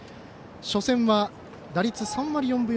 初戦は、打率３割４分４厘。